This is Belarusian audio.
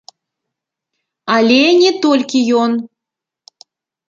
Але не толькі ён.